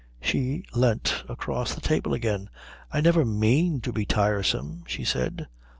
She leant across the table again. "I never mean to be tiresome," she said.